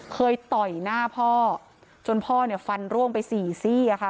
ต่อยหน้าพ่อจนพ่อเนี่ยฟันร่วงไปสี่ซี่ค่ะ